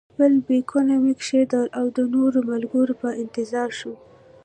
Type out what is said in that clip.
خپل بېکونه مې کېښودل او د نورو ملګرو په انتظار شوم.